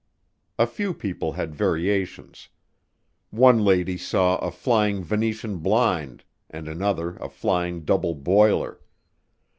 A few people had variations. One lady saw a flying Venetian blind and another a flying double boiler.